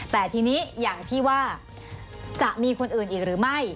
แต่ทีนี้อย่างที่ว่าจะมีคนอื่นอีกหรือไม่